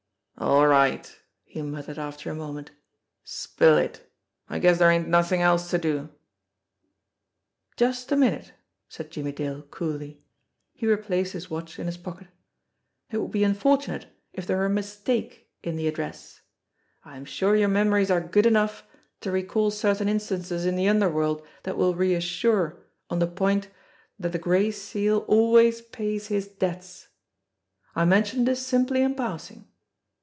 "All right," he muttered after a moment. "Spill it. I guess dere ain't nothing else to da" "Just a minute," said Jimmie Dale coolly. He replaced his watch in his pocket. "It would be unfortunate if there THE LESSER BREED 147 were a mistake in the address. I am sure your memories are good enough to recall certain instances in the underworld that will reassure on the point that the Gray Seal always pays his debts. I mention this simply in passing.